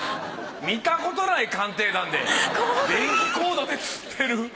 見たことない「鑑定団」で電気コードでつってる。